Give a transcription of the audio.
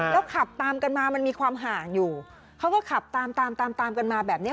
แล้วขับตามกันมามันมีความห่างอยู่เขาก็ขับตามตามตามกันมาแบบนี้